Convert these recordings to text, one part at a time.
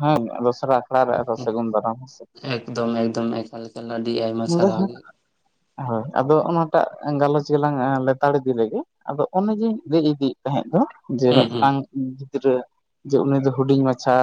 ᱦᱮᱸ ᱫᱚᱥᱨᱟ ᱟᱠᱷᱲᱟ ᱨᱮ ᱟᱫᱚ ᱥᱟᱹᱜᱩᱱ ᱫᱟᱨᱟᱢ ᱦᱮᱸ ᱥᱮ ᱾ ᱮᱠᱫᱚᱢ ᱮᱠᱫᱚᱢ ᱮᱠᱟᱞ ᱾ ᱞᱟᱫᱤᱫ ᱟᱭᱼᱼ [unintelligible] ᱦᱳᱭ ᱟᱫᱚ ᱚᱱᱟᱴᱟᱜ ᱜᱟᱞᱚᱪ ᱜᱮᱞᱟᱝ ᱞᱮᱛᱟᱲ ᱤᱫᱤ ᱞᱮᱜᱮ ᱾ ᱟᱫᱚ ᱚᱱᱮ ᱡᱮᱧ ᱞᱟᱹᱭ ᱤᱫᱤᱭᱮᱫ ᱛᱟᱦᱮᱸᱫ ᱫᱚ ᱡᱮ ᱦᱩᱸ ᱦᱩᱸ ᱢᱤᱫᱴᱟᱝ ᱜᱤᱫᱽᱨᱟᱹ ᱡᱮ ᱩᱱᱤ ᱫᱚ ᱦᱩᱰᱤᱧ ᱢᱟᱪᱷᱟ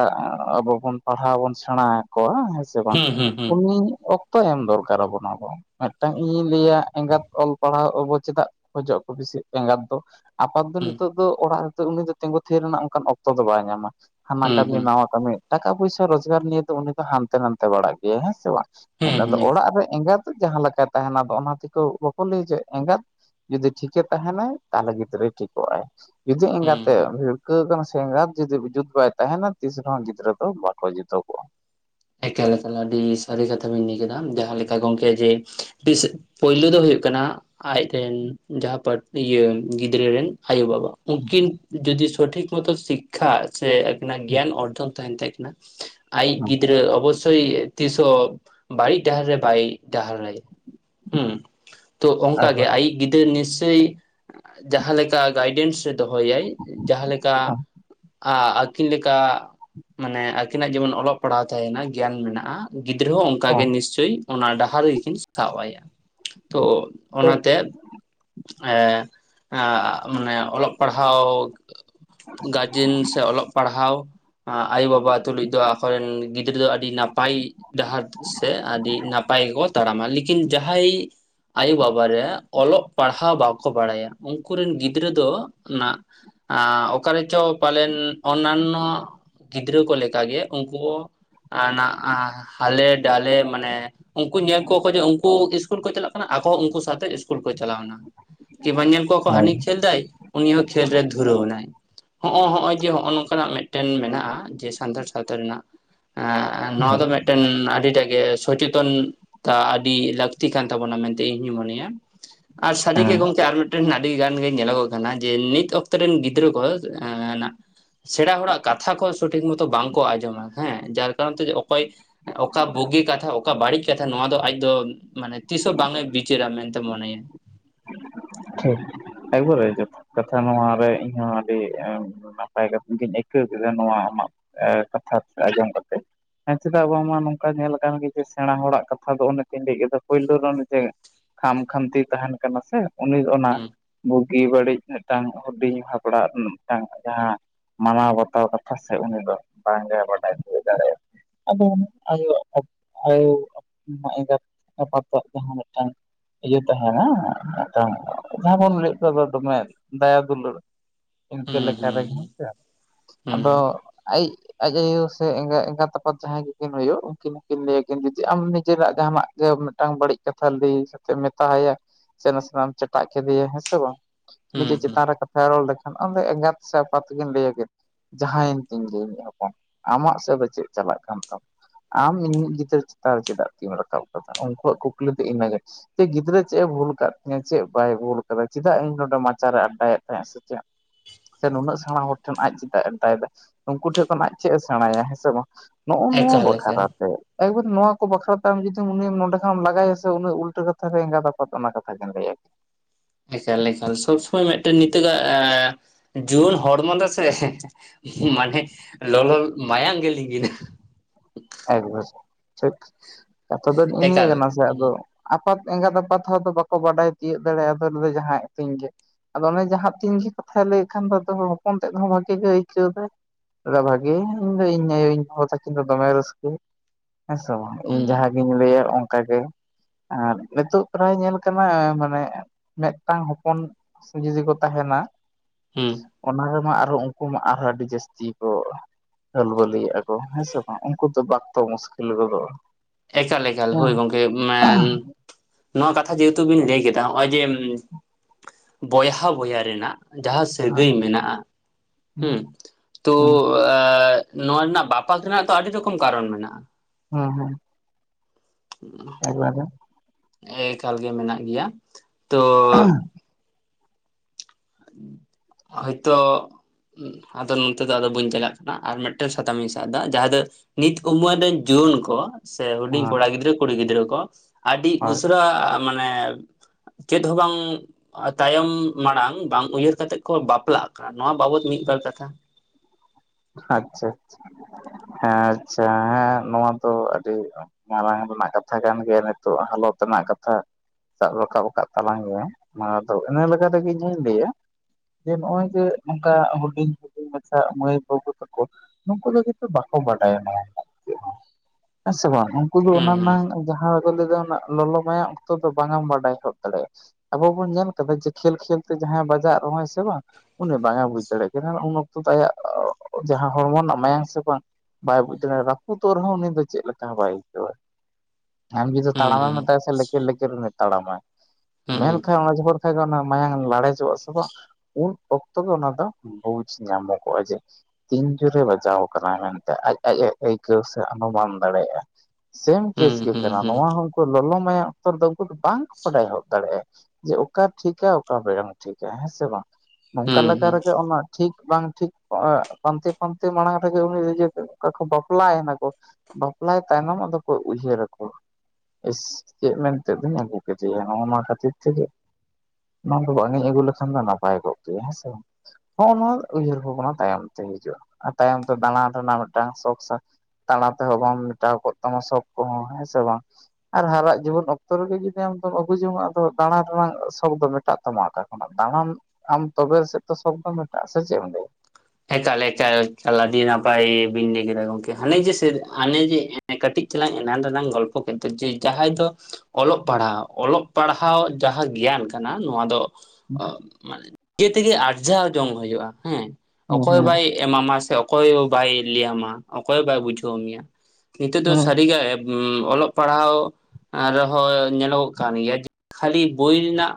ᱟᱵᱚ ᱵᱚᱱ ᱯᱟᱲᱦᱟᱣ ᱵᱚᱱ ᱥᱮᱬᱟ ᱦᱟᱠᱚᱣᱟᱸ, ᱦᱮᱸ ᱥᱮ ᱵᱟᱝ? ᱦᱩᱸ ᱦᱩᱸ ᱩᱱᱤ ᱚᱠᱛᱚ ᱮᱢ ᱫᱚᱨᱠᱟᱨ ᱾ ᱟᱨ ᱟᱵᱚᱱᱟ ᱟᱵᱚ ᱢᱤᱫᱴᱟᱝ ᱤᱧᱤᱧ ᱞᱟᱹᱭᱟ ᱮᱸᱜᱟᱛ ᱚᱞ ᱯᱟᱲᱦᱟᱣ ᱟᱵᱚ ᱪᱮᱫᱟᱜ? ᱠᱷᱚᱡᱚᱜ ᱟᱠ ᱠᱚ ᱵᱮᱥᱤ ᱮᱸᱜᱟᱛ ᱫᱚ, ᱟᱯᱟᱛ ᱫᱚ ᱦᱩᱸ ᱱᱤᱛᱚᱜ ᱫᱚ ᱚᱲᱟᱜ ᱨᱮᱫᱚ ᱩᱱᱤ ᱫᱚ ᱛᱤᱸᱜᱚ ᱛᱷᱤᱨ ᱨᱮᱱᱟᱜ ᱚᱱᱠᱟᱱ ᱚᱠᱛᱚ ᱫᱚ ᱵᱟᱭ ᱧᱟᱢᱟ᱾ ᱦᱟᱱᱟ ᱦᱩᱸ ᱠᱟᱹᱢᱤ ᱦᱩᱸ ᱦᱩᱸ ᱱᱟᱣᱟ ᱠᱟᱹᱢᱤ᱾ ᱴᱟᱠᱟ ᱯᱚᱭᱥᱟ ᱨᱳᱡᱽᱜᱟᱨ ᱱᱤᱭᱮ ᱫᱚ ᱩᱱᱤ ᱫᱚ ᱦᱟᱱᱛᱮ ᱱᱟᱛᱮ ᱵᱟᱲᱟᱜ ᱜᱮᱟᱭ ᱦᱮᱸ ᱥᱮ ᱵᱟᱝ? ᱮᱱ ᱦᱩᱸ ᱟᱫᱚ ᱦᱩᱸ ᱮᱠ ᱚᱲᱟᱜ ᱨᱮ ᱮᱸᱜᱟᱛ ᱡᱟᱦᱟᱸ ᱞᱮᱠᱟᱭ ᱛᱟᱦᱮᱱᱟ ᱟᱫᱚ ᱚᱱᱟ ᱛᱮᱠᱚ ᱵᱟᱠᱚ ᱞᱟᱹᱭᱟ ᱡᱮ ᱮᱸᱜᱟᱛ ᱡᱩᱫᱤ ᱴᱷᱤᱠᱮ ᱛᱟᱦᱮᱱᱟᱭ ᱛᱟᱦᱚᱞᱮ ᱜᱤᱫᱽᱨᱟᱹᱭ ᱴᱷᱤᱠᱚᱜ ᱟᱭ᱾ ᱡᱩᱫᱤ ᱦᱩᱸ ᱮᱸᱜᱟᱛᱮ ᱦᱩᱸ ᱵᱷᱤᱲᱠᱟᱹᱣ ᱠᱟᱱᱟ ᱥᱮ ᱮᱸᱜᱟᱛ ᱡᱩᱫᱤ ᱡᱩᱛ ᱵᱟᱭ ᱛᱟᱦᱮᱱᱟ ᱛᱤᱥ ᱨᱮᱦᱚᱸ ᱜᱤᱫᱽᱨᱟᱹ ᱫᱚ ᱵᱟᱼᱼ ᱠᱚ ᱡᱩᱛᱚ ᱠᱚᱜ-ᱟ᱾ ᱮᱠᱟᱞ ᱮᱠᱟᱞ ᱟᱹᱰᱤ ᱥᱟᱹᱨᱤ ᱠᱟᱛᱷᱟ ᱵᱮᱱ ᱞᱟᱹᱭ ᱠᱮᱫᱟ ᱡᱟᱦᱟᱸᱮ ᱞᱮᱠᱟ ᱜᱚᱢᱠᱮ ᱡᱮ ᱛᱤᱥᱼᱼ ᱯᱳᱭᱞᱳ ᱫᱚ ᱦᱩᱭᱩᱜ ᱠᱟᱱᱟ, ᱟᱡ ᱨᱮᱱ ᱡᱟᱦᱟᱸ ᱯᱟᱹᱴ ᱤᱭᱟᱹ ᱜᱤᱫᱽᱨᱟᱹ ᱨᱮᱱ ᱟᱭᱳᱻᱵᱟᱵᱟ ᱩᱱᱠᱤᱱ ᱡᱚᱫᱤ ᱥᱚᱴᱷᱤᱠ ᱢᱚᱛᱚ ᱥᱤᱠᱠᱷᱟ ᱥᱮ ᱟᱹᱠᱤᱱᱟᱜ ᱜᱮᱭᱟᱱ ᱚᱨᱡᱚᱱ ᱛᱟᱦᱮᱱ ᱛᱟᱹᱠᱤᱱᱟ ᱟᱭᱤᱡ ᱦᱮᱸ ᱜᱤᱫᱽᱨᱟᱹ ᱚᱵᱚᱥᱳᱭ ᱛᱤᱥ ᱦᱚᱸ ᱵᱟᱹᱲᱤᱡ ᱰᱟᱦᱟᱨ ᱨᱮ ᱵᱟᱭ ᱰᱟᱦᱟᱨ ᱨᱮ ᱛᱚ ᱚᱱᱠᱟᱜᱮ ᱮᱠᱵᱟᱨᱮ ᱟᱭᱤᱡ ᱜᱤᱫᱟᱹᱨ ᱱᱤᱥᱪᱚᱭ ᱡᱟᱦᱟᱸ ᱞᱮᱠᱟ ᱜᱟᱭᱰᱮᱱᱥ ᱫᱚᱦᱚᱭᱟᱭ ᱡᱟᱦᱟᱸ ᱞᱮᱠᱟ ᱟᱼᱼ ᱟᱹᱠᱤᱱ ᱞᱮᱠᱟ ᱢᱟᱱᱮ ᱟᱹᱠᱤᱱᱟᱜ ᱡᱮᱢᱚᱱ ᱚᱞᱚᱜ ᱯᱟᱲᱦᱟᱣ ᱛᱟᱦᱮᱱᱟ ᱜᱮᱭᱟᱱ ᱢᱮᱱᱟᱜᱼᱟ, ᱜᱤᱫᱽᱨᱟᱹ ᱦᱚᱸ ᱚᱱᱠᱟᱜ ᱜᱮ ᱱᱤᱥᱪᱚᱭ ᱚᱱᱟ ᱰᱟᱦᱟᱨ ᱨᱮᱜᱮᱠᱤᱱ ᱥᱟᱵ ᱟᱭᱟ᱾ ᱛᱚ ᱴᱷᱤᱠ ᱚᱱᱟᱛᱮ, ᱮ ᱟᱜ ᱢᱟᱱᱮ ᱚᱞᱚᱜ ᱯᱟᱲᱦᱟᱣ᱾ ᱜᱟᱨᱡᱮᱱ ᱥᱮ ᱚᱞᱚᱜ ᱯᱟᱲᱦᱟᱣ, ᱟᱭᱳ-ᱵᱟᱵᱟ ᱛᱩᱞᱩᱡ ᱫᱚ ᱟᱠᱚᱨᱮᱱ ᱜᱤᱫᱽᱨᱟᱹ ᱫᱚ ᱟᱹᱰᱼᱼ ᱱᱟᱯᱟᱭ ᱰᱟᱦᱟᱨ ᱥᱮ ᱟᱹᱰᱤ ᱱᱟᱯᱟᱭ ᱜᱮᱠᱚ ᱛᱟᱲᱟᱢᱟ ᱞᱮᱠᱤᱱ ᱡᱟᱦᱟᱸᱭ, ᱟᱭᱳ ᱵᱟᱵᱟᱨᱮ ᱚᱞᱚᱜ ᱯᱟᱲᱦᱟᱣ ᱵᱟᱠᱚ ᱵᱟᱲᱟᱭᱟ ᱩᱱᱠᱩ ᱨᱮᱱ ᱜᱤᱫᱽᱨᱟᱹ ᱫᱚ ᱱᱟᱜᱼᱼ ᱚᱠᱟᱨᱮᱪᱚ ᱯᱟᱞᱮᱱ ᱚᱱᱱᱟᱱᱚ ᱜᱤᱫᱽᱨᱟᱹ ᱠᱚ ᱞᱮᱠᱟᱜᱮ ᱩᱱᱠᱩ ᱦᱚ ᱟᱱᱟᱜ-ᱟ ᱦᱟᱞᱮ ᱰᱟᱞᱮ ᱢᱟᱱᱮ, ᱩᱱᱠᱩ ᱧᱮᱞ ᱠᱚᱣᱟ ᱠᱚ ᱡᱮ ᱩᱱᱠᱩ ᱤᱥᱠᱩᱞ ᱠᱚ ᱪᱟᱞᱟᱜ ᱠᱟᱱᱟ ᱟᱠᱚ ᱦᱚᱸ ᱩᱱᱠᱩ ᱥᱟᱸᱶᱛᱮ ᱤᱥᱠᱩᱞ ᱠᱚ ᱪᱟᱞᱟᱣᱱᱟ᱾ ᱠᱤᱵᱟ ᱧᱮᱞ ᱠᱚᱣᱟ ᱠᱚ ᱦᱟᱹᱱᱤ ᱠᱷᱮᱞ ᱫᱟᱭ ᱩᱱᱤ ᱦᱚᱸ ᱠᱷᱮᱞ ᱨᱮ ᱫᱷᱩᱨᱟᱹᱣ ᱱᱟᱭ᱾ ᱦᱚᱸᱜᱼᱚ ᱦᱚᱸᱜᱼᱚᱭ ᱡᱮ ᱦᱚᱸᱜᱼᱚ ᱱᱚᱝᱠᱟᱱᱟᱜ ᱢᱤᱫᱴᱮᱱ ᱢᱮᱱᱟᱜᱼᱟ ᱡᱮ ᱥᱟᱱᱛᱟᱲ ᱥᱟᱸᱶᱛᱟ ᱨᱮᱱᱟᱜ᱾ ᱮᱸ ᱱᱚᱣᱟ ᱫᱚ ᱢᱤᱫᱴᱮᱱ ᱟᱹᱰᱤᱴᱟᱜ ᱜᱮ ᱥᱚᱪᱮᱛᱚᱱ᱾ ᱛᱟ ᱟᱹᱰᱤ ᱞᱟᱹᱠᱛᱤ ᱠᱟᱱ ᱛᱟᱵᱚᱱᱟ ᱢᱮᱱᱛᱮ ᱤᱧᱦᱩᱧ ᱢᱚᱱᱮᱭᱟ ᱟᱨ ᱥᱟᱨᱤ ᱜᱮ ᱦᱮᱸ ᱜᱚᱝᱠᱮ ᱟᱨ ᱢᱤᱫᱴᱮᱱ ᱟᱹᱰᱤ ᱜᱟᱱ ᱜᱮ ᱧᱮᱞᱚᱜᱚᱜ ᱠᱟᱱᱟ ᱡᱮ ᱱᱤᱛ ᱚᱠᱛᱚ ᱨᱮᱱ ᱜᱤᱫᱽᱨᱟᱹ ᱠᱚ ᱥᱮᱬᱟ ᱦᱚᱲᱟᱜ ᱠᱟᱛᱷᱟ ᱠᱚ ᱥᱚᱴᱷᱤᱠ ᱢᱚᱛᱚ ᱵᱟᱝᱠᱚ ᱟᱸᱡᱚᱢᱟ ᱦᱮᱸ ᱡᱟᱨ ᱠᱟᱨᱚᱱ ᱛᱮ ᱚᱠᱚᱭ ᱚᱠᱟ ᱵᱩᱜᱤ ᱠᱟᱛᱷᱟ ᱚᱠᱟ ᱵᱟᱹᱲᱤᱡ ᱠᱟᱛᱷᱟ ᱱᱚᱣᱟ ᱫᱚ ᱟᱡ ᱫᱚ ᱢᱟᱱᱮ ᱛᱤᱥᱦ ᱦᱚᱸ ᱵᱟᱝᱮ ᱵᱤᱪᱟᱹᱨᱟ ᱢᱮᱱᱛᱮ ᱢᱚᱱᱮᱭᱭᱟ ᱴᱷᱤᱠ ᱮᱠᱵᱟᱨᱮ ᱮᱠᱟᱞ ᱠᱟᱛᱷᱟ ᱱᱚᱭᱟᱨᱮ ᱤᱧᱦᱚᱸ ᱟᱹᱰᱤ ᱱᱟᱯᱟᱭ ᱠᱟᱛ ᱜᱤᱧ ᱟᱹᱭᱠᱟᱹᱣ ᱠᱮᱫᱟ ᱱᱚᱣᱟ ᱟᱢᱟᱜ ᱠᱟᱛᱷᱟ ᱟᱡᱚᱢ ᱠᱟᱛᱮ ᱦᱮᱸ ᱪᱮᱫᱟᱜ ᱵᱟᱝᱢᱟ ᱱᱚᱝᱠᱟ ᱧᱮᱞ ᱠᱟᱱ ᱜᱮᱪᱚ ᱥᱮᱬᱟ ᱦᱚᱲᱟᱜ ᱠᱟᱛᱷᱟ ᱫᱚ ᱚᱱᱮ ᱛᱤᱧ ᱞᱟᱹᱭ ᱠᱮᱫᱟ ᱯᱳᱭᱞᱳ ᱨᱮᱱ ᱡᱮ ᱠᱷᱟᱢ ᱠᱷᱟᱢᱛᱤ ᱛᱟᱦᱮᱱ ᱠᱟᱱᱟ ᱥᱮ ᱩᱱᱤ ᱚᱱᱟ ᱦᱩᱸ ᱵᱩᱜᱤ ᱵᱟᱹᱲᱤᱡ ᱢᱤᱫᱴᱟᱝ ᱦᱩᱰᱤᱧ ᱦᱟᱯᱲᱟᱜ ᱨᱮᱱᱟᱜ ᱢᱤᱫᱴᱟᱝ ᱡᱟᱦᱟᱸ ᱢᱟᱱᱟᱣ ᱵᱟᱛᱟᱣ ᱠᱟᱛᱷᱟ ᱥᱮ ᱩᱱᱤ ᱫᱚ ᱵᱟᱝᱜᱮ ᱵᱟᱰᱟᱭ ᱛᱤᱭᱳᱜ ᱫᱟᱲᱮᱭᱟᱜᱟ ᱟᱫᱚ ᱟᱭᱳ ᱟᱭᱳ ᱮᱸᱜᱟᱛᱟᱯᱟᱛᱟᱜ ᱡᱟᱦᱟᱸ ᱢᱤᱫᱴᱟᱝ ᱤᱭᱟᱹ ᱛᱟᱦᱮᱱᱟ ᱢᱮᱫᱴᱟᱝ ᱡᱟᱦᱟᱸ ᱵᱚᱱ ᱞᱟᱹᱭ ᱫᱚ ᱫᱚᱢᱮ ᱫᱟᱭᱟ ᱫᱩᱞᱟᱹᱲ ᱤᱱᱠᱟᱹ ᱦᱩᱸ ᱞᱮᱠᱟ ᱦᱩᱸ ᱨᱮᱜᱮ ᱦᱮᱸ ᱥᱮ ᱦᱩᱸ ᱟᱫᱚ ᱟᱭᱤᱡ ᱟᱡ ᱟᱭᱳ ᱥᱮ ᱮᱸᱜᱟ ᱮᱸᱜᱟᱛ ᱟᱯᱟᱛ ᱡᱟᱦᱟᱸᱭ ᱜᱮᱠᱤᱱ ᱦᱩᱭᱩᱜ ᱩᱱᱠᱤᱱ ᱦᱚᱸᱠᱤᱱ ᱞᱟᱹᱭᱟᱠᱤᱱ ᱡᱩᱫᱤ ᱟᱢ ᱱᱤᱡᱮᱨᱟᱜ ᱡᱟᱦᱟᱱᱟᱜ ᱜᱮ ᱢᱤᱫᱴᱟᱝ ᱵᱟᱹᱲᱤᱡ ᱠᱟᱛᱷᱟ ᱞᱟᱹᱭᱟᱛᱮᱫ ᱢᱮᱛᱟᱭᱟ ᱥᱮ ᱱᱟᱥᱮᱱᱟᱜ ᱪᱮᱴᱟᱜ ᱠᱮᱫᱮᱭᱟ ᱦᱮᱸ ᱥᱮ ᱵᱟᱝ ᱦᱩᱸ ᱱᱤᱡᱮ ᱦᱩᱸ ᱪᱮᱛᱟᱱ ᱨᱮ ᱠᱟᱛᱷᱟ ᱯᱷᱮᱨᱚᱞ ᱞᱮᱠᱷᱟᱱ ᱚᱸᱰᱮ ᱮᱸᱜᱟᱛ ᱥᱮ ᱟᱯᱟᱛ ᱛᱮᱠᱤᱱ ᱞᱟᱹᱭᱭᱟᱠᱤᱱ ᱡᱟᱦᱟᱸᱭᱮᱱ ᱛᱤᱧ ᱜᱮ ᱦᱚᱯᱚᱱ ᱟᱢᱟᱜ ᱥᱮᱫ ᱫᱚ ᱪᱮᱫ ᱪᱟᱞᱟᱜ ᱠᱟᱱ ᱛᱟᱢᱟ ᱟᱢ ᱤᱧᱤᱡ ᱜᱤᱫᱟᱹᱨ ᱪᱮᱛᱟᱱ ᱨᱮ ᱪᱮᱫᱟᱜ ᱛᱤᱢ ᱨᱟᱠᱟᱵ ᱠᱟᱫᱟ ᱩᱱᱠᱩᱣᱟᱜ ᱠᱩᱠᱞᱤ ᱫᱚ ᱤᱱᱟᱹᱜᱮ ᱛᱮ ᱜᱤᱫᱽᱨᱟᱹ ᱪᱮᱫ ᱵᱷᱩᱞ ᱟᱠᱟᱫ ᱦᱮᱸ ᱪᱮᱫ ᱵᱟᱭ ᱵᱷᱩᱞ ᱟᱠᱟᱫᱟ ᱪᱮᱫᱟᱜ ᱤᱧ ᱱᱚᱰᱮ ᱢᱟᱪᱟᱨᱮ ᱟᱰᱟᱭᱮᱫ ᱛᱟᱦᱮᱸᱜ ᱥᱮ ᱪᱮᱫ ᱱᱩᱱᱟᱹᱜ ᱥᱮᱬᱟ ᱦᱚᱲ ᱴᱷᱮᱱ ᱟᱡ ᱪᱮᱫᱟᱜ ᱮ ᱮᱢ ᱛᱟᱭᱟᱭ ᱫᱟ ᱩᱱᱠᱩ ᱴᱷᱮᱱ ᱠᱷᱚᱱ ᱟᱡ ᱪᱮᱫ ᱮ ᱥᱮᱬᱟᱭᱟ ᱦᱮᱸ ᱥᱮᱮ ᱵᱟᱝ ᱱᱚᱜᱼᱚ ᱱᱚᱣᱟ ᱮᱠᱟᱞ ᱮᱠᱟᱞ ᱵᱟᱠᱷᱨᱟ ᱛᱮ ᱮᱠᱵᱟᱨ ᱱᱚᱣᱟ ᱠᱚ ᱵᱟᱠᱷᱨᱟᱛᱮ ᱡᱩᱫᱤ ᱩᱱᱤ ᱱᱚᱰᱮ ᱠᱷᱟᱱᱢ ᱞᱟᱜᱟᱭᱟ ᱥᱮ ᱩᱱᱟᱹᱜ ᱩᱞᱴᱟᱹ ᱠᱟᱛᱷᱟ ᱮᱸᱜᱟᱛᱟ ᱟᱯᱟᱛ ᱚᱱᱟ ᱠᱟᱛᱷᱟ [unintelligible] ᱮᱠᱟᱞ ᱮᱠᱟᱞ ᱥᱚᱵ ᱥᱚᱢᱚᱭ ᱢᱤᱫᱴᱮᱱ ᱱᱤᱛᱚᱜᱟᱜ ᱡᱩᱣᱟᱹᱱ ᱦᱚᱲᱢᱚ ᱫᱚ ᱥᱮ ᱢᱟᱱᱮ ᱞᱚᱞᱚ ᱢᱟᱭᱟᱝ ᱜᱮ ᱞᱤᱸᱜᱤᱱᱟ ᱮᱠ ᱵᱪᱚᱨ ᱴᱷᱤᱠ ᱠᱟᱛᱷᱟ ᱫᱚ ᱱᱼ ᱱᱤᱭᱟᱹ ᱮᱠᱟᱞ ᱠᱟᱱᱟ ᱥᱮ ᱦᱩᱸ ᱟᱫᱚ ᱟᱯᱟᱛ ᱮᱸᱜᱟᱛ ᱟᱯᱟᱛ ᱦᱚᱸ ᱵᱟᱠᱚ ᱵᱟᱰᱟᱭ ᱛᱤᱭᱳᱟᱹᱜ ᱫᱟᱲᱮᱭᱟᱜᱼᱟᱚᱞ ᱫᱚ ᱡᱟᱦᱟᱸᱭ ᱟᱛᱤᱧ ᱜᱮ ᱟᱫᱚ ᱚᱱᱮ ᱡᱟᱦᱟᱸ ᱛᱤᱱᱜ ᱜᱮ ᱠᱟᱛᱷᱟᱭ ᱞᱟᱹᱭᱮᱫ ᱠᱷᱟᱱ ᱫᱚ ᱟ ᱦᱚᱯᱚᱱ ᱛᱮᱫ ᱦᱚᱸ ᱵᱷᱟᱜᱤ ᱜᱮᱭ ᱟᱹᱭᱠᱟᱹᱣ ᱫᱟᱭ ᱫᱫᱟ ᱵᱷᱟᱜᱤ ᱤᱧ ᱫᱚ ᱤᱧ ᱟᱭᱳ ᱤᱧ ᱵᱟᱵᱟ ᱛᱟᱹᱠᱤᱱ ᱫᱚ ᱫᱚᱢᱮ ᱨᱟᱹᱥᱠᱟᱹ ᱦᱮᱸᱥᱮ ᱵᱟᱝ ᱤᱧ ᱦᱩᱸ ᱡᱟᱦᱟᱸ ᱜᱤᱧ ᱞᱟᱹᱭᱟ ᱚᱱᱠᱟᱜᱮ ᱟᱨ ᱱᱤᱛᱚᱜᱜ ᱯᱨᱟᱭ ᱧᱮᱞ ᱠᱟᱱᱟ ᱢᱟᱱᱮ ᱢᱤᱫᱴᱟᱝ ᱦᱚᱯᱚᱱ ᱡᱫᱤ ᱠᱚ ᱛᱟᱦᱮᱱᱟ ᱦᱩᱻᱸ ᱚᱱᱟ ᱨᱮᱢᱟ ᱟᱨᱚ ᱩᱱᱠᱩ ᱢᱟ ᱟᱨᱦᱚᱸ ᱟᱹᱰᱤ ᱡᱟᱹᱥᱛᱤ ᱠᱚ ᱦᱟᱹᱞ ᱵᱟᱹᱞᱤᱭᱮᱫᱼᱟ ᱠᱚ ᱦᱮᱸ ᱥᱮᱮ ᱵᱟᱝ ᱠᱩᱛ ᱵᱟᱜᱛᱚ ᱢᱩᱥᱠᱤᱞ ᱫᱚᱚ ᱮᱠᱟᱞ ᱮᱠᱟᱞ ᱦᱳᱭ ᱜᱚᱝᱠᱮ ᱢᱮᱱ ᱱᱚᱣᱟ ᱠᱟᱛᱷᱟ ᱡᱮᱦᱮᱛᱩ ᱵᱤᱱ ᱞᱟᱹᱭ ᱠᱮᱫᱟ ᱱᱚᱜᱼᱚᱭ ᱡᱮ ᱵᱚᱭᱦᱟ ᱵᱚᱭᱦᱟ ᱨᱮᱱᱟᱜ ᱡᱟᱦᱟᱸ ᱥᱟᱹᱜᱟᱹᱭ ᱢᱮᱱᱟᱜᱼᱟ ᱦᱮᱸ ᱛᱚ ᱦᱮᱸ ᱟ. ᱻ ᱱᱚᱣᱟ ᱨᱮᱱᱟᱜ ᱵᱟᱯᱟᱞ ᱨᱮᱱᱟᱜ ᱫᱚ ᱟᱹᱰᱤ ᱨᱚᱠᱚᱢ ᱠᱟᱨᱚᱱ ᱢᱮᱱᱟᱜᱼᱟ ᱦᱩᱸ ᱦᱩᱸ [unintelligible] ᱮᱠ ᱵᱟᱨᱮ ᱮᱠᱟᱞ ᱜᱮ ᱢᱮᱱᱟᱜ ᱜᱮᱭᱟ ᱛᱚ ᱦᱮᱸ ᱦᱚᱭ ᱛᱚ ᱟᱫᱚ ᱱᱚᱛᱮ ᱫᱚ ᱟᱫᱚ ᱵᱟᱹᱧ ᱪᱟᱞᱟᱜ ᱠᱟᱱᱟ ᱟᱨ ᱢᱤᱫᱴᱮᱱ ᱥᱟᱛᱟᱢᱤᱧ ᱥᱟᱵ ᱮᱫᱟ ᱡᱟᱦᱟᱸ ᱫᱚ ᱱᱤᱛ ᱩᱢᱮᱨ ᱨᱮᱱ ᱡᱩᱣᱟᱹᱱ ᱠᱚ ᱥᱮ ᱦᱩᱰᱤᱧ ᱠᱚᱲᱟ ᱜᱤᱫᱽᱨᱟᱹ ᱠᱩᱲᱤ ᱜᱤᱫᱽᱨᱟᱹ ᱠᱚ ᱟᱹᱰᱤ ᱦᱳᱭ ᱩᱥᱟᱹᱨᱟ ᱢᱟᱱᱮ ᱪᱮᱫ ᱦᱚᱸ ᱵᱟᱝ ᱛᱟᱭᱚᱢ ᱢᱟᱲᱟᱝ ᱵᱟᱝ ᱩᱭᱦᱟᱹᱨ ᱠᱟᱛᱮᱜ ᱠᱚ ᱵᱟᱯᱞᱟᱜ ᱠᱟᱱ ᱱᱚᱣᱟ ᱵᱟᱵᱚᱛ ᱢᱤᱫᱵᱟᱨ ᱠᱟᱛᱷᱟ ᱟᱪᱪᱷᱟ ᱟᱪᱪᱷᱟ ᱦᱮᱸ ᱟᱪᱪᱷᱟ ᱦᱮᱸ ᱱᱚᱣᱟ ᱫᱚ ᱟᱹᱰᱤ ᱢᱟᱨᱟᱝ ᱨᱮᱱᱟᱜ ᱠᱟᱛᱷᱟ ᱠᱟᱱ ᱜᱮᱭᱟ ᱱᱤᱛᱚᱜ ᱦᱟᱞᱚᱛ ᱨᱮᱱᱟᱜ ᱠᱟᱛᱷᱟ ᱥᱟᱵ ᱨᱟᱠᱟᱵ ᱟᱠᱟᱫ ᱛᱟᱞᱟᱝ ᱜᱮᱭᱟ [unintelligible] ᱤᱱᱟᱹ ᱞᱮᱠᱟ ᱛᱮᱜᱮ ᱤᱧᱦᱚᱧ ᱞᱟᱹᱭᱟ ᱡᱮ ᱱᱚᱜᱼᱚᱭ ᱡᱮ ᱱᱚᱝᱠᱟ ᱦᱩᱰᱤᱧ ᱦᱩᱰᱤᱧ ᱢᱟᱪᱷᱟ ᱢᱟᱹᱭ ᱵᱟᱵᱩ ᱛᱟᱠᱚ ᱱᱩᱠᱩ ᱫᱚ ᱵᱟᱠᱚ ᱵᱟᱰᱟᱭ ᱟ ᱱᱚᱣᱟ ᱨᱮᱱᱟᱜ ᱪᱮᱫ ᱦᱚ ᱦᱮᱸ ᱥᱮ ᱵᱟᱝ ᱩᱱᱠᱩ ᱫᱚ ᱦᱩᱸ ᱚᱱᱟ ᱦᱩᱸ ᱨᱮᱱᱟᱜ ᱡᱟᱦᱟᱸ ᱠᱚ [unintelligible] ᱞᱚᱞᱚ ᱢᱟᱭᱟ ᱚᱠᱛᱚ ᱫᱚ ᱵᱟᱝ ᱮᱢ ᱵᱟᱰᱟᱭ ᱦᱚᱫ ᱫᱟᱲᱮᱭᱟᱜᱼᱟ ᱟᱵᱚ ᱵᱚᱱ ᱧᱮᱞ ᱠᱟᱫᱟ ᱡᱮ ᱠᱷᱮᱞ ᱠᱷᱮᱞ ᱛᱮ ᱡᱟᱦᱟᱸᱭ ᱵᱟᱡᱟᱜ ᱨᱮᱦᱚᱭ ᱥᱮ ᱵᱟᱝ ᱩᱱᱤ ᱡᱷᱚᱷᱜ ᱵᱟᱝ ᱮ ᱵᱩᱡᱽ ᱫᱟᱲᱮᱜ ᱠᱟᱱᱟ ᱩᱱ ᱚᱠᱛᱚ ᱫᱚ ᱟᱭᱟᱜ [inaudible] ᱡᱟᱦᱟᱸ ᱦᱚᱲᱢᱚ ᱨᱮᱱᱟᱜ ᱢᱟᱭᱟᱝ ᱥᱮ ᱵᱟᱝ ᱵᱟᱭ ᱵᱩᱡᱽ ᱫᱟᱲᱮᱭᱟᱜᱼᱟ ᱨᱟᱹᱯᱩᱫᱚᱜ ᱨᱮᱦᱚᱸ ᱩᱱᱤ ᱫᱚ ᱪᱮᱫ ᱞᱮᱠᱟ ᱦᱚᱸ ᱵᱟᱭ ᱟᱹᱭᱠᱟᱣ ᱟ ᱾ ᱟᱢ ᱡᱩᱫᱤ ᱛᱟᱲᱟᱢᱮᱢ ᱦᱩᱸ ᱢᱮᱛᱟᱭᱟ ᱥᱮ ᱞᱮᱠᱮᱨ ᱞᱮᱠᱮᱨ ᱩᱱᱤ ᱛᱟᱲᱟᱢ ᱟᱭ ᱦᱩᱸ ᱦᱩᱸ ᱢᱮᱱᱠᱷᱟᱱ ᱚᱱᱟ ᱡᱚᱦᱚᱜ ᱨᱮᱠᱷᱟᱡ ᱫᱚ ᱚᱱᱟ ᱢᱟᱭᱟᱢ ᱞᱟᱲᱮᱡᱚᱜᱼᱟ ᱥᱮ ᱵᱟᱝ ᱩᱱ ᱚᱠᱛᱚ ᱜᱮ ᱚᱱᱟ ᱫᱚ ᱵᱩᱡᱽ ᱧᱟᱢᱚᱜᱚᱜᱼᱟ ᱡᱮ ᱛᱤᱱ ᱡᱳᱨᱮ ᱵᱟᱡᱟᱣ ᱟᱠᱟᱱᱟ ᱢᱮᱱᱛᱮ ᱟᱡ ᱟᱡ ᱮ ᱟᱹᱭᱠᱟᱹᱣ ᱥᱮ ᱚᱱᱩᱢᱟᱱ ᱫᱟᱲᱮᱭᱟᱜᱼᱟ ᱥᱮᱢ ᱠᱮᱥ ᱦᱩᱸ ᱦᱩᱸ ᱜᱮ ᱦᱩᱸ ᱠᱟᱱᱟ ᱦᱩᱸ ᱱᱚᱣᱟ ᱦᱚᱸ ᱩᱱᱠᱩ ᱞᱚᱞᱚ ᱢᱟᱭᱟᱢ ᱚᱠᱛᱚ ᱨᱮᱫᱚ ᱩᱱᱠᱩ ᱫᱚ ᱵᱟᱝᱠᱚ ᱵᱟᱰᱟᱭ ᱦᱚᱫ ᱫᱟᱲᱮᱭᱟᱜᱼᱟ ᱡᱮ ᱚᱠᱟ ᱴᱷᱤᱠᱟ ᱚᱠᱟ ᱵᱟᱝ ᱴᱷᱤᱠᱟ ᱦᱮᱸ ᱥᱮ ᱵᱟᱝ ᱱᱚᱝᱠᱟ ᱦᱩᱸ ᱞᱮᱠᱟ ᱦᱩᱸ ᱨᱮᱜᱮ ᱚᱱᱟ ᱴᱷᱤᱠ ᱵᱟᱝ ᱴᱷᱤᱠ [inaudible] ᱯᱟᱱᱛᱮ ᱯᱟᱱᱛᱮ ᱢᱟᱬᱟᱝ ᱨᱮᱜᱮ ᱩᱱᱤ [unintelligible] ᱵᱟᱯᱞᱟ ᱮᱱᱟ ᱠᱚ ᱵᱟᱯᱞᱟ ᱛᱟᱭᱱᱚᱢ ᱟᱫᱚᱠᱚ ᱩᱭᱦᱟᱹᱨᱟᱠᱚ ᱤᱥ, ᱪᱮᱫ ᱢᱮᱱᱛᱮ ᱫᱩᱧ ᱟᱹᱜᱩ ᱠᱮᱫᱮᱭᱟ ‌ᱚᱱᱟ‌ ᱠᱷᱟᱹᱛᱤᱨ ᱛᱮᱜᱮ ᱚᱱᱟ ᱫᱚ ᱵᱟᱝ ᱤᱧ ᱟᱹᱜᱩ ᱞᱮᱠᱷᱟᱱ ᱫᱚ ᱱᱟᱯᱟᱭ ᱠᱚᱜ ᱠᱮᱭᱟ ᱦᱮᱸ ᱥᱮ ᱵᱟᱝ ᱦᱚᱜᱼᱚ ᱱᱚᱣᱟ ᱩᱭᱦᱟᱹᱨ ᱵᱷᱟᱵᱽᱱᱟ ᱛᱟᱭᱚᱢ [unintelligible] ᱦᱤᱡᱩᱜᱼᱟ ᱟᱨ ᱛᱟᱭᱚᱢ ᱛᱮ ᱫᱟᱬᱟᱱ ᱨᱮᱱᱟᱜ ᱢᱤᱫᱴᱟᱝ [inaudible] ᱫᱟᱬᱟ ᱛᱮᱦᱚᱸ ᱵᱟᱝ ᱢᱮᱴᱟᱣ ᱠᱚᱜ ᱛᱟᱢᱟ ᱥᱚᱠ ᱠᱚᱦᱚᱸ ᱦᱮᱸ ᱥᱮ ᱵᱟᱝ ᱟᱨ ᱦᱟᱨᱟᱜ ᱡᱩᱣᱟᱱ ᱚᱠᱛᱚ ᱨᱮᱜᱮ ᱡᱩᱫᱤ ᱟᱢ ᱫᱚᱢ ᱟᱹᱜᱩ ᱡᱚᱝᱟᱜ ᱟᱫᱚ ᱫᱟᱲᱟ ᱨᱮᱱᱟᱜ ᱥᱚᱠ ᱫᱚ ᱢᱮᱴᱟᱜ ᱛᱟᱢᱟ ᱚᱠᱟᱨᱮ ᱚᱱᱟ ᱫᱟᱲᱟᱱ ᱟᱢ ᱛᱚᱵᱮ ᱥᱮ ᱛᱚ ᱥᱚᱠ ᱫᱚ ᱢᱮᱛᱟᱜᱼᱟ ᱥᱮ ᱪᱮᱫ ᱮᱢ ᱞᱟᱹᱭᱫᱟ ᱮᱠᱟᱞ ᱮᱠᱟᱞ ᱟᱰᱤ ᱱᱟᱯᱟᱭ ᱵᱤᱱ ᱞᱟᱹᱭ ᱠᱮᱫ ᱟ ᱜᱚᱝᱠᱮ ᱦᱟᱱᱮ ᱡᱮ ᱥᱮᱫ ‌ᱦᱟᱱᱮ ᱡᱮ ᱠᱟᱹᱴᱤᱡ ᱪᱟᱞᱟᱝ ᱮᱱᱟᱱ ᱨᱮᱞᱟᱝ ᱜᱚᱞᱯᱚ ᱠᱮᱫ ᱫᱚ ᱡᱮ ᱡᱟᱦᱟᱸᱭ ᱫᱚ ᱚᱞᱚᱜ ᱯᱟᱲᱦᱟᱣ ᱚᱞᱚᱜ ᱯᱟᱲᱦᱟᱣ ᱡᱟᱦᱟᱸ ᱜᱮᱭᱟᱱ ᱠᱟᱱᱟ ᱱᱚᱣᱟ ᱫᱚ [unintelligible] ᱛᱮᱜᱮ ᱟᱨᱡᱟᱣ ᱡᱚᱝ ᱦᱩᱭᱩᱜᱼᱟ ᱦᱮᱸ ᱚᱠᱚᱭ ᱦᱩᱸ ᱵᱟᱭ ᱮᱢᱟᱢᱟ ᱥᱮ ᱚᱠᱚᱭ ᱵᱟᱭ ᱞᱟᱹᱭ ᱟᱢᱟ ᱚᱠᱚᱭ ᱵᱟᱭ ᱵᱩᱡᱷᱟᱹᱣ ᱢᱮᱭᱟ, ᱱᱤᱛᱚᱜ ᱫᱚ ᱥᱟᱹᱨᱤ ᱜᱮ ᱦᱩᱸ ᱚᱞᱚᱜ ᱯᱟᱲᱦᱟᱣ ᱨᱮᱦᱚᱸ ᱧᱮᱞᱚᱜᱚᱜ ᱠᱟᱱ ᱜᱮᱭᱟ ᱠᱷᱟᱹᱞᱤ ᱵᱳᱭ ᱨᱮᱱᱟᱜ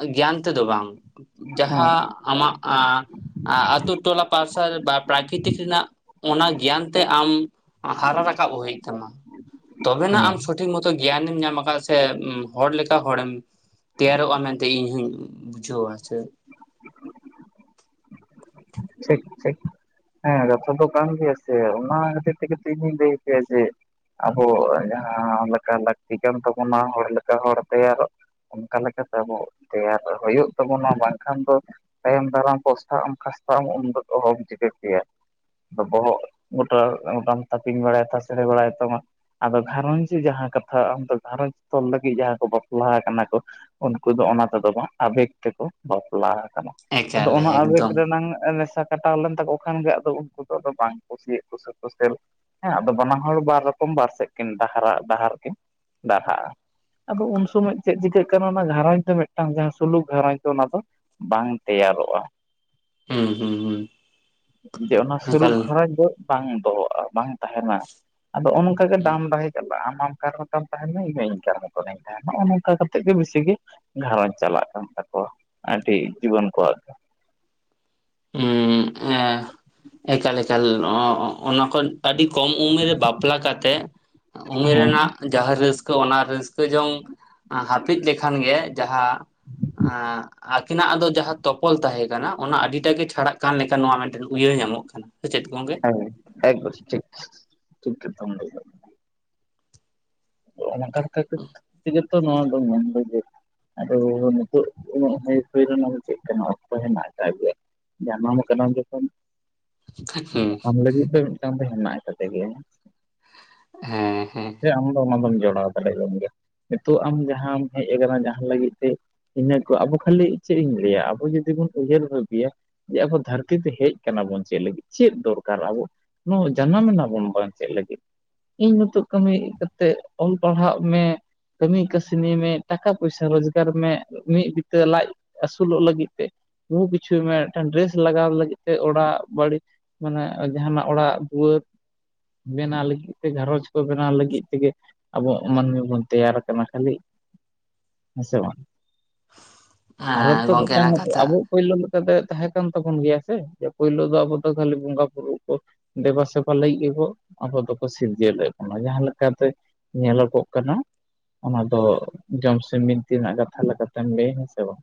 ᱮᱸᱜ ᱜᱮᱭᱟᱱ ᱛᱮᱫᱚ ᱵᱟᱝ ᱦᱩᱸ ᱡᱟᱦᱟᱸ ᱟᱢᱟᱜ ᱮᱸᱻ ᱮᱸᱻ ᱟᱛᱳ ᱴᱚᱞᱟ ᱯᱟᱨᱥᱟ ᱨᱮ ᱵᱟ ᱯᱨᱟᱠᱨᱤᱛᱤᱠ ᱨᱮᱱᱟᱜ ᱚᱱᱟ ᱜᱮᱭᱟᱱ ᱛᱮ ᱟᱢ ᱦᱟᱨᱟ ᱨᱟᱠᱟᱵ ᱦᱩᱭᱩᱜ ᱛᱟᱢᱟ ᱛᱚᱵᱮᱱᱟ ᱦᱩᱸ ᱟᱢ ᱥᱚᱴᱷᱤᱠ ᱢᱚᱛᱚ ᱜᱮᱭᱟᱱᱮᱢ ᱧᱟᱢᱟᱠᱟᱫ ᱥᱮ ᱦᱚᱲ ᱞᱮᱠᱟ ᱦᱚᱲᱮᱢ ᱛᱮᱭᱟᱨᱚᱜᱼᱟ ᱢᱮᱱᱛᱮ ᱤᱧ ᱦᱚᱸᱧ ᱵᱩᱡᱷᱟᱹᱣᱟ ᱥᱮ ᱴᱷᱤᱠ ᱴᱷᱤᱠ ᱦᱮᱸ ᱠᱟᱛᱷᱟ ᱫᱚ ᱠᱟᱱ ᱜᱮᱭᱟ ᱥᱮ ᱚᱱᱟ ᱠᱷᱟᱹᱛᱤᱨ ᱛᱮᱜᱮ ᱛᱚ ᱤᱧ ᱦᱚᱧ ᱞᱟᱹᱭ ᱟᱯᱮᱭᱟ ᱡᱮ ᱟᱵᱚ ᱡᱟᱦᱟᱸ ᱞᱮᱠᱟ ᱞᱟᱹᱠᱛᱤ ᱠᱟᱱ ᱛᱟᱵᱚᱱᱟ ᱦᱚᱲ ᱞᱮᱠᱟ ᱦᱚᱲ ᱛᱮᱭᱟᱨᱚᱜ ᱚᱱᱠᱟ ᱞᱮᱠᱟᱛᱮ ᱟᱵᱚ ᱛᱮᱭᱟᱨ ᱦᱩᱭᱩᱜ ᱛᱟᱵᱚᱱᱟ ᱵᱟᱝᱠᱷᱟᱱ ᱫᱚ ᱛᱟᱭᱚᱢ ᱫᱟᱨᱟᱢ ᱯᱚᱥᱛᱟᱜ ᱟᱢ ᱠᱷᱥᱛᱟᱜ ᱟᱢ ᱩᱱ ᱫᱚ ᱚᱦᱚᱢ ᱪᱤᱠᱟᱹ ᱠᱮᱭᱟ ᱵᱚᱦᱚᱜ ᱜᱚᱴᱟ ᱚᱝᱠᱟᱢ ᱛᱟᱯᱤᱧ ᱵᱟᱲᱟᱭ ᱛᱟᱥᱮᱨ ᱵᱟᱲᱟᱭ ᱛᱟᱢᱟ ᱟᱫᱚ ᱜᱷᱟᱨᱚᱸᱧᱽ ᱡᱟᱦᱟᱸ ᱠᱟᱛᱷᱟ ᱟᱢᱫᱚ ᱜᱷᱟᱨᱚᱸᱧᱽ ᱛᱚᱞ ᱞᱟᱹᱜᱤᱫ ᱡᱟᱦᱟᱸ ᱠᱚ ᱵᱟᱯᱞᱟ ᱠᱟᱱᱟ ᱠᱚ ᱩᱱᱠᱩ ᱫᱚ ᱚᱱᱟ ᱛᱮᱫᱚ ᱵᱟᱝ ᱟᱵᱮᱜᱽ ᱛᱮᱠᱚ ᱵᱟᱯᱞᱟ ᱟᱠᱟᱱᱟ ᱟᱫᱚ ᱮᱠᱟᱞ ᱚᱱᱟ ᱟᱵᱮᱜᱽ ᱮᱠᱫᱚᱢ ᱨᱮᱱᱟᱝ ᱱᱮᱥᱟ ᱠᱟᱴᱟᱣ ᱞᱮᱱ ᱛᱟᱠᱚ ᱠᱷᱟᱱ ᱜᱮ ᱟᱫᱚ ᱩᱱᱠᱩ ᱫᱚ ᱟᱫᱚ ᱵᱟᱝ ᱠᱩᱥᱤ, ᱠᱩᱥᱤ ᱠᱩᱥᱟᱹᱞ ᱦᱮᱸ ᱟᱫᱚ ᱵᱟᱱᱟ ᱦᱚᱲ ᱵᱟᱨ ᱨᱚᱠᱚᱢ ᱵᱟᱨ ᱥᱮᱫ ᱠᱤᱱ ᱰᱟᱦᱨᱟ ᱰᱟᱦᱟᱨ ᱠᱤᱱ ᱰᱟᱨᱦᱟᱜᱼᱟ ᱟᱫᱚ ᱩᱱ ᱥᱚᱢᱚᱭ ᱪᱮᱫ ᱪᱤᱠᱟᱹᱜ ᱠᱟᱱᱟ ᱚᱱᱟ ᱜᱷᱟᱨᱚᱸᱡᱽ ᱫᱚ ᱢᱤᱫᱴᱟᱝ ᱡᱟᱦᱟᱸ ᱥᱩᱞᱩᱠ ᱜᱷᱟᱨᱚᱸᱡᱽ ᱫᱚ ᱚᱱᱟ ᱫᱚ ᱵᱟᱝ ᱛᱮᱭᱟᱨᱚᱜᱼᱟ ᱦᱩᱸ ᱦᱩᱸ ᱦᱩᱸ ᱡᱮ ᱚᱱᱟ ᱥᱩᱞᱩᱠ ᱮᱠᱟᱞ ᱜᱷᱟᱨᱚᱸᱡᱽ ᱫᱚ ᱵᱟᱝ ᱫᱚᱦᱚᱜᱼᱟ ᱵᱟᱝ ᱛᱟᱦᱮᱱᱟ ᱟᱫᱚ ᱚᱱ-ᱚᱝᱟᱜ ᱜᱮ ᱦᱩᱸ ᱰᱟᱢ ᱰᱟᱦᱮ ᱟᱱᱟᱴ ᱠᱟᱨᱚ ᱟᱢ ᱛᱟᱦᱮᱱ ᱢᱮ, ᱤᱧ ᱦᱚᱸ [unintelligible] ᱛᱟᱦᱮᱱᱟ ᱱᱚᱜᱼᱚ ᱱᱚᱝᱠᱟ ᱠᱟ ᱠᱟᱛᱮᱜ ᱜᱮ ᱵᱤᱥᱤ ᱜᱮ ᱜᱷᱟᱨᱚᱸᱡᱽ ᱪᱟᱞᱟᱜ ᱠᱟᱱ ᱛᱟᱠᱚᱣᱟ ᱟᱹᱰᱤ ᱡᱩᱣᱟᱱ ᱠᱚᱣᱟᱜ ᱫᱚ ᱩᱸ ᱮᱸ ᱮᱠᱟᱞ ᱮᱠᱟᱞ ᱚᱱᱟᱠᱚ ᱟᱹᱰᱤ ᱠᱚᱢ ᱩᱢᱮᱹᱨ ᱨᱮ ᱵᱟᱯᱞᱟ ᱠᱟᱛᱮᱫ ᱩᱢᱮᱨ ᱦᱮᱸ ᱨᱮᱱᱟᱜ ᱡᱟᱦᱟᱸ ᱨᱟᱹᱥᱠᱟᱹ ᱚᱱᱟ ᱨᱟᱹᱥᱠᱟᱹ ᱡᱚᱝ ᱦᱟᱹᱯᱤᱫ ᱞᱮᱠᱷᱟᱱ ᱜᱮ ᱡᱟᱦᱟᱸ ᱟᱸᱻ ᱟᱠᱤᱱᱟᱜ ᱟᱫᱚ ᱡᱟᱦᱟᱸ ᱛᱚᱯᱚᱞ ᱛᱟᱦᱮᱸ ᱠᱟᱱᱟ ᱚᱱᱟ ᱟᱹᱰᱤᱴᱟ ᱜᱮ ᱪᱷᱟᱲᱟᱜ ᱠᱟᱱ ᱞᱮᱠᱟ ᱱᱚᱣᱟ ᱢᱤᱫᱴᱮᱱ ᱩᱭᱦᱟᱹᱨ ᱧᱟᱢᱚᱜ ᱠᱟᱱᱟ ᱥᱮ ᱪᱮᱫ ᱜᱚᱝᱠᱮ ᱦᱮᱸ [unintelligible] ᱴᱷᱤᱠ ᱠᱟᱛᱷᱟᱢ ᱞᱟᱹᱭ ᱟᱠᱟᱫᱟ ᱛᱚ, ᱚᱱᱟ ᱠᱟᱨ ᱠᱷᱟᱛᱤᱨ ᱛᱮᱜᱮ ᱛᱚ ᱱᱚᱣᱟ ᱫᱚ ᱢᱮᱱᱫᱟ ᱡᱮ ᱟᱫᱚ ᱱᱤᱛᱚᱜ ᱩᱱᱟᱜ ᱦᱟᱹᱭ ᱯᱷᱟᱹᱭ ᱨᱮᱱᱟᱜ ᱫᱚ ᱪᱮᱫ ᱠᱟᱱᱟ ᱚᱠᱛᱚ ᱦᱮᱱᱟᱜ ᱠᱟᱜ ᱜᱮᱭᱟ ᱡᱟᱱᱟᱢ ᱟᱠᱟᱱᱟᱢ ᱡᱚᱠᱷᱚᱱ ᱦᱩᱸ ᱟᱢ ᱞᱟᱹᱜᱤᱫ ᱫᱚ ᱢᱤᱫᱴᱟᱱ ᱫᱚ ᱦᱮᱱᱟᱜ ᱠᱟᱫᱮ ᱜᱮᱭᱟ ᱦᱮᱸ ᱦᱮᱸ ᱥᱮ ᱟᱢ ᱫᱚ ᱚᱱᱟ ᱫᱚᱢ ᱡᱚᱲᱟᱣ ᱫᱟᱲᱮᱭᱟᱜᱼᱟᱢ ᱜᱮᱭᱟ ᱱᱤᱛᱚᱜ ᱟᱢ ᱡᱟᱦᱟᱸᱢ ᱦᱮᱡ ᱟᱠᱟᱱᱟ ᱡᱟᱦᱟᱸ ᱞᱟᱹᱜᱤᱫ ᱛᱮ ᱤᱱᱟᱹ ᱠᱚ ᱟᱵᱚ ᱠᱷᱟᱹᱞᱤ ᱪᱮᱫ ᱤᱧ ᱞᱟᱹᱭᱟ ᱟᱵᱚ ᱡᱩᱫᱤ ᱵᱚᱱ ᱩᱭᱦᱟᱹᱨ ᱵᱷᱟᱵᱤᱭᱟ ᱡᱮ ᱟᱵᱚ ᱫᱷᱟᱹᱨᱛᱤ ᱛᱮ ᱦᱮᱡ ᱠᱟᱱᱟᱵᱚᱱ ᱪᱮᱫ ᱞᱟᱹᱜᱤᱫ ᱪᱮᱫ ᱫᱚᱨᱠᱟᱨ ᱟᱵᱚ ᱱᱚ ᱡᱟᱱᱟᱢᱮᱱᱟᱵᱚᱱ ᱵᱟᱝ ᱪᱮᱜ ᱞᱟᱹᱜᱤᱫ ᱤᱧ ᱱᱤᱛᱚᱜ ᱠᱟᱹᱢᱤ ᱛᱮᱜ ᱚᱞ ᱯᱟᱲᱦᱟᱜ ᱢᱮ᱾ ᱠᱟᱹᱢᱤ ᱠᱟᱹᱥᱱᱤ ᱢᱮ ᱴᱟᱠᱟ ᱯᱚᱭᱥᱟ ᱨᱚᱡᱽᱜᱟᱨ ᱢᱮ ᱢᱤᱜ ᱵᱤᱛᱟᱹ ᱞᱟᱡ ᱟᱹᱥᱩᱞᱚᱜ ᱞᱟᱹᱜᱤᱫ ᱛᱮ ᱵᱩᱦᱩ ᱠᱤᱪᱷᱩᱭ ᱢᱮ ᱢᱤᱫᱴᱟᱱ ᱰᱨᱮᱥ ᱞᱟᱜᱟᱣ ᱞᱟᱹᱜᱤᱫ ᱛᱮ ᱚᱲᱟᱜ ᱵᱟᱹᱲᱤᱡ ᱢᱟᱱᱮ ᱡᱟᱦᱟᱱᱟᱜ ᱚᱲᱟᱜ ᱫᱩᱣᱟᱹᱨ ᱵᱮᱱᱟᱣ ᱞᱟᱹᱜᱤᱫ ᱛᱮ ᱜᱷᱟᱨᱚᱧᱡᱽ ᱠᱚ ᱵᱮᱱᱟᱣ ᱞᱟᱹᱜᱤᱫ ᱛᱮᱜᱮ ᱟᱵᱚ ᱢᱟᱹᱱᱢᱤ ᱵᱚᱱ ᱛᱮᱭᱟᱨ ᱠᱟᱱᱟ ᱠᱷᱟᱹᱞᱤ ᱦᱮᱸᱥᱮ ᱵᱟᱝ? ᱟᱨᱚ ᱛᱚ ᱢᱤᱫᱴᱟᱝ ᱜᱚᱝᱠᱮᱱᱟᱜ ᱟᱵᱚ ᱠᱟᱛᱷᱟ ᱯᱳᱭᱞᱳ ᱞᱮᱠᱟᱛᱮ ᱛᱟᱦᱮᱸ ᱠᱟᱱ ᱛᱟᱵᱚᱱ ᱜᱮᱭᱟ ᱥᱮ ᱯᱳᱞᱳ ᱫᱚ ᱟᱵᱚ ᱫᱚ ᱠᱷᱟᱹᱞᱤ ᱵᱚᱸᱜᱟ ᱵᱩᱨᱩ ᱠᱚ ᱫᱮᱵᱟ ᱥᱮᱵᱟ ᱞᱟᱹᱜᱤᱜ ᱜᱮᱠᱚ ᱟᱵᱚ ᱫᱚᱠᱚ ᱥᱤᱨᱡᱟᱹᱣ ᱞᱮᱫ ᱵᱚᱱᱟ ᱡᱟᱦᱟ ᱠᱟᱛᱮ ᱧᱮᱞᱚᱜᱚᱜ ᱠᱟᱱᱟ᱾ ᱚᱱᱟ ᱫᱚ ᱡᱚᱢᱥᱤᱢ ᱵᱤᱱᱛᱤ ᱨᱮᱱᱟᱜ ᱠᱟᱛᱷᱟ ᱞᱮᱠᱟᱛᱮᱢ ᱞᱟᱹᱭ ᱦᱮᱸ ᱥᱮ ᱵᱟᱝ?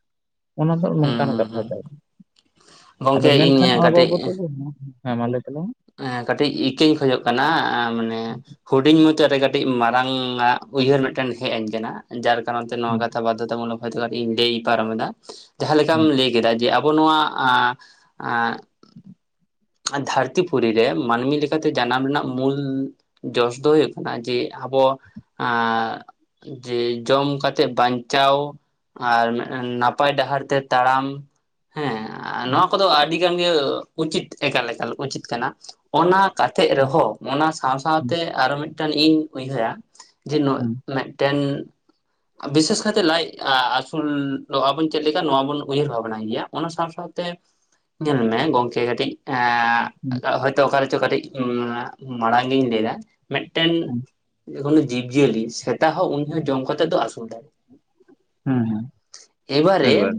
ᱚᱱᱟ ᱫᱚ ᱦᱩᱸ ᱱᱚᱝᱠᱟᱱ ᱦᱩᱸ ᱠᱟᱛᱷᱟ ᱦᱩᱸ ᱛᱟᱭ ᱜᱚᱝᱠᱮ ᱟᱫᱚ ᱢᱮᱱᱠᱷᱟᱱ ᱤᱧ ᱚᱱᱟ ᱵᱟᱵᱚᱫ [unintelligible] ᱦᱮᱸ ᱞᱟᱹᱭ ᱛᱟᱞᱟᱝ ᱢᱮ᱾ ᱮᱸ ᱠᱟᱹᱴᱤᱡ ᱤᱠᱟᱹᱧ ᱠᱷᱚᱡᱚᱜ ᱠᱟᱱᱟ ᱢᱟᱱᱮ ᱦᱩᱰᱤᱧ ᱢᱩᱪᱟᱹ ᱨᱮ ᱠᱟᱹᱴᱤᱡ ᱢᱟᱨᱟᱝ ᱟᱜ ᱩᱭᱦᱟᱹᱨ ᱢᱤᱫᱴᱮᱱ ᱦᱮᱡ ᱟᱹᱧ ᱠᱟᱱᱟ᱾ ᱡᱟᱨ ᱠᱟᱨᱚᱱ ᱛᱮ ᱢᱮ ᱱᱚᱣᱟ ᱠᱟᱛᱷᱟ ᱵᱟᱫᱽᱫᱷᱚᱛᱟ ᱢᱩᱞᱚᱠ ᱦᱚᱭᱛᱚ ᱠᱟᱴᱤᱡ ᱤᱧ ᱞᱟᱹᱭ ᱯᱟᱨᱚᱢᱮᱫᱟ ᱡᱟᱦᱟᱸᱮᱢ ᱦᱮᱸ ᱞᱟᱹᱭ ᱠᱮᱫᱟ ᱡᱮ ᱟᱵ ᱵᱚ ᱱᱚᱣᱟ ᱟᱸ ᱟᱸ ᱫᱷᱟᱹᱨᱛᱤ ᱯᱩᱨᱤ ᱨᱮ ᱢᱟᱹᱱᱢᱤ ᱞᱮᱠᱟᱛᱮ ᱡᱟᱱᱟᱢ ᱨᱮᱱᱟᱜ ᱢᱩᱞ ᱡᱚᱥ ᱫᱚ ᱦᱩᱭᱩᱜ ᱠᱟᱱᱟ ᱡᱮ ᱟᱵᱚ ᱟᱸ ᱡᱮ ᱡᱚᱢ ᱠᱟᱛᱮᱜ ᱵᱟᱧᱪᱟᱣ ᱟᱨ ᱢᱮᱜ ᱮ ᱱᱟᱯᱟᱭ ᱰᱟᱦᱟᱨ ᱛᱮ ᱛᱟᱲᱟᱢ ᱦᱮᱸ ᱱᱚᱣᱟ ᱠᱚᱫᱚ ᱟᱹᱰᱤ ᱜᱟᱱ ᱜᱮ ᱩᱪᱤᱛ ᱮᱠᱟᱞ ᱮᱠᱟᱞ ᱩᱪᱤᱛ ᱠᱟᱱᱟ᱾ ᱚᱱᱟ ᱠᱟᱛᱮᱜ ᱨᱮᱦᱚᱸ ᱚᱱᱟ ᱥᱟᱶ ᱥᱟᱶᱛᱮ ᱟᱨᱚ ᱢᱤᱫᱴᱟᱱ ᱤᱧ ᱩᱭᱦᱟᱹᱨᱟ᱾ ᱡᱮ ᱱᱳᱟ ᱦᱮᱸ ᱢᱤᱫᱴᱮᱱ ᱵᱤᱥᱮᱥ ᱠᱟᱭᱛᱮ ᱞᱟᱡ ᱟᱹᱥᱩᱞ ᱟᱵᱚᱱ ᱪᱮᱫ ᱞᱮᱠᱟ ᱱᱚᱣᱟ ᱵᱚᱱ ᱩᱭᱦᱟᱹᱨ ᱵᱷᱟᱵᱱᱟ ᱜᱮᱭᱟ ᱚᱱᱟ ᱥᱟᱶ ᱥᱟᱶ ᱛᱮ ᱧᱮᱞ ᱢᱮ ᱜᱚᱝᱠᱮ ᱠᱟᱹᱴᱤᱡ ᱦᱮᱸ ᱮᱸ ᱦᱚᱳᱭᱛᱚ ᱚᱠᱟ ᱨᱮᱪᱚ ᱠᱟᱹᱴᱤᱡ ᱢᱟᱲᱟᱝ ᱜᱤᱧ ᱞᱟᱹᱭᱫᱟ᱾ ᱢᱮᱜᱴᱮᱱ ᱦᱮᱸ ᱩᱱᱤ ᱡᱤᱵᱽᱡᱤᱭᱟᱹᱞᱤ ᱥᱮᱛᱟ ᱦᱚᱸ ᱩᱱᱤ ᱦᱚᱸ ᱡᱚᱢ ᱠᱟᱛᱮᱜ ᱫᱚ ᱟᱹᱥᱩᱞ ᱫᱟᱭ᱾ ᱦᱩᱸ ᱦᱩᱸ ᱮᱠᱵᱟᱨ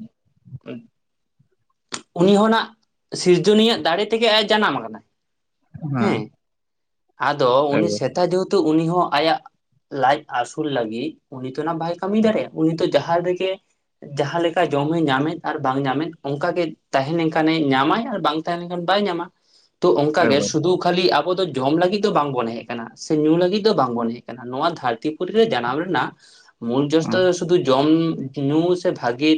ᱩᱱᱤ ᱦᱚᱸᱱᱟᱜ ᱥᱤᱨᱡᱚᱱᱤᱭᱟᱜ ᱫᱟᱲᱮ ᱛᱮᱜᱮ ᱟᱡ ᱡᱟᱱᱟᱢ ᱠᱟᱱᱟ᱾ ᱦᱮᱸ ᱟᱫᱚ ᱩᱱᱤ ᱮᱠᱵᱟᱨᱮ ᱥᱮᱛᱟ ᱡᱮᱦᱮᱛᱩ ᱩᱱᱤ ᱦᱚᱸ ᱟᱭᱟᱜ ᱞᱟᱡ ᱟᱹᱥᱩᱞ ᱞᱟᱹᱜᱤᱫ ᱩᱱᱤ ᱛᱚ ᱱᱟᱜ ᱵᱟᱭ ᱠᱟᱹᱢᱤ ᱫᱟᱲᱮᱜᱼᱟ ᱩᱱᱤ ᱛᱚ ᱡᱟᱦᱟᱸ ᱨᱮᱜᱮ ᱡᱟᱦᱟᱸ ᱞᱮᱠᱟ ᱡᱚᱢᱮ ᱧᱟᱢᱮᱫ ᱟᱨ ᱵᱟᱝ ᱧᱟᱢᱮᱫ ᱚᱱᱠᱟᱜᱮ ᱛᱟᱦᱮᱸ ᱞᱮᱱᱠᱷᱟᱱᱮ ᱧᱟᱢᱟᱭ ᱟᱨ ᱵᱟᱝ ᱛᱟᱦᱮᱸ ᱞᱮᱱᱠᱷᱟᱱ ᱵᱟᱭ ᱧᱟᱢᱟ᱾ ᱛᱚ ᱚᱝᱠᱟ ᱜᱮ ᱮᱠᱵᱟᱨᱮ ᱥᱩᱫᱩ ᱠᱷᱟᱹᱞᱤ ᱟᱵᱚ ᱫᱚ ᱡᱚᱢ ᱞᱟᱹᱜᱤᱫ ᱫᱚ ᱵᱟᱝᱵᱚᱱ ᱦᱮᱡ ᱠᱟᱱᱟ ᱥᱮ ᱧᱩ ᱞᱟᱹᱜᱤᱜ ᱫᱚ ᱵᱟᱝ ᱵᱚᱱ ᱦᱮᱡ ᱟᱠᱟᱱᱟ ᱱᱚᱣᱟ ᱫᱷᱟᱹᱨᱛᱤ ᱯᱩᱨᱤ ᱨᱮ ᱡᱟᱱᱟᱢ ᱨᱮᱱᱟᱜ ᱢᱩᱞ ᱦᱮᱸ ᱡᱚᱥᱚ ᱫᱚ ᱥᱩᱫᱩ ᱡᱚᱢ ᱧᱩ ᱥᱮ ᱵᱷᱟᱜᱮ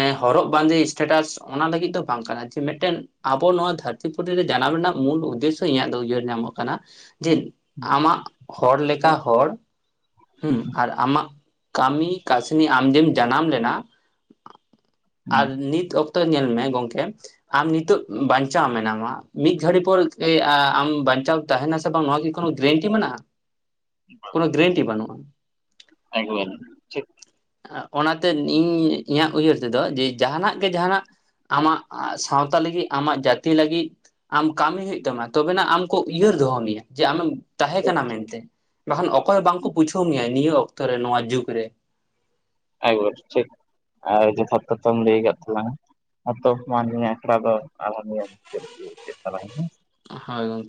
ᱮᱸ ᱦᱚᱨᱚᱜ ᱵᱟᱸᱫᱮ ᱥᱴᱮᱴᱟᱥ ᱚᱱᱟ ᱞᱟᱹᱜᱤᱫ ᱫᱚ ᱵᱟᱝ ᱠᱟᱱᱟ ᱡᱮ ᱢᱮᱜᱴᱮᱱ ᱟᱵᱚ ᱱᱚᱣᱟ ᱫᱷᱟᱹᱨ ᱛᱤ ᱯᱩᱨᱤ ᱨᱮ ᱡᱟᱱᱟᱢ ᱨᱮᱱᱟᱜ ᱢᱩᱞ ᱩᱫᱮᱥᱚ ᱤᱧᱟᱹᱜ ᱫᱚ ᱩᱭᱦᱟᱹᱨ ᱧᱟᱢᱚᱜ ᱠᱟᱱᱟ ᱡᱮ ᱟᱢᱟᱜ ᱦᱚᱲ ᱞᱮᱠᱟ ᱦᱚᱲ ᱦᱩᱸ ᱟᱨ ᱟᱢᱟᱜ ᱠᱟᱹᱢᱤ ᱠᱟᱹᱥᱱᱤ ᱟᱢ ᱡᱮᱢ ᱡᱟᱱᱟᱢ ᱞᱮᱱᱟ ᱟᱨ ᱱᱤᱛ ᱚᱠᱛᱚ ᱨᱮ ᱧᱮᱞ ᱢᱮ ᱜᱚᱝᱠᱮ ᱟᱢ ᱱᱤᱛᱚᱜ ᱵᱟᱧᱪᱟᱣ ᱢᱮᱱᱟᱢᱟ ᱢᱤᱫ ᱜᱷᱟᱹᱲᱤ ᱯᱚᱨ ᱮ ᱟ ᱟᱢ ᱵᱟᱧᱪᱟᱣ ᱛᱟᱦᱮᱱᱟ ᱥᱮ ᱵᱟᱝ ᱱᱚᱣᱟ ᱠᱤ ᱠᱳᱱᱳ ᱜᱮᱨᱮᱱᱴᱤ ᱢᱮᱱᱟᱜᱼᱟ, ᱠᱳᱱᱳ ᱜᱮᱨᱮᱱᱴᱤ ᱵᱟᱹᱱᱩᱜ᱾ ᱮᱠ ᱵᱟᱨ ᱚᱱᱟᱛᱮ ᱤᱧ ᱤᱧᱟᱹᱜ ᱩᱭᱦᱟᱹᱨ ᱛᱮᱫᱚ ᱡᱮ ᱡᱟᱦᱟᱱᱟᱜ ᱜᱮ ᱡᱟᱦᱟᱱᱟᱜ ᱟᱢᱟᱜ ᱥᱟᱶᱛᱟ ᱞᱟᱹᱜᱤᱫᱜ ᱟᱢᱟᱜ ᱡᱟᱹᱛᱤ ᱞᱟᱹᱜᱤᱜ ᱟᱢ ᱠᱟᱹᱢᱤ ᱦᱩᱭᱩᱜ ᱛᱟᱢᱟ ᱛᱚᱵᱮᱱᱟᱜ ᱟᱢ ᱠᱚ ᱩᱭᱦᱟᱹᱨ ᱫᱚᱦᱚ ᱢᱮᱭᱟ ᱡᱮ ᱟᱢᱮᱢ ᱛᱟᱦᱮᱸ ᱴᱷᱤᱠ ᱠᱟᱱᱟ ᱢᱮᱱᱛᱮ ᱵᱟᱠᱷᱟᱱ ᱚᱠᱚᱭ ᱦᱚᱸ ᱵᱟᱝᱠᱚ ᱵᱩᱪᱷᱟᱹᱣ ᱢᱮᱭᱟ ᱱᱤᱭᱟᱹ ᱚᱠᱛᱚ ᱨᱮ ᱱᱚᱣᱟ ᱡᱩᱜᱽ ᱨᱮ᱾ [unintelligible] ᱴᱷᱤᱠ [unintelligible] ᱡᱚᱛᱷᱟᱛ ᱠᱟᱛᱚᱢ ᱞᱟᱹᱭ ᱠᱟᱜ ᱛᱟᱞᱟᱝ ᱟ ᱟᱛᱚ ᱢᱟᱹᱱᱢᱤᱟᱜ ᱟᱠᱷᱲᱟ ᱫᱚ [unintelligible] ᱱᱤᱭᱟ [unintelligible] ᱦᱮᱸ ᱥᱮ [unintelligible]